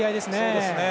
そうですね。